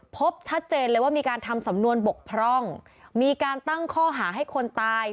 พบชัดเจนเลยว่ามีการทำสำนวนบกพร่องมีการตั้งข้อหาให้คนตาย